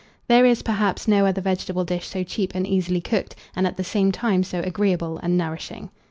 There is, perhaps, no other vegetable dish so cheap and easily cooked, and, at the same time, so agreeable and nourishing.